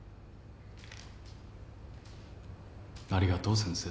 ありがとう先生。